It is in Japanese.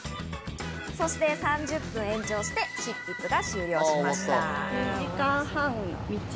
そして３０分延長して執筆が終了しました。